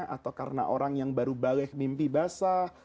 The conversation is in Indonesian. atau karena orang yang baru balik mimpi basah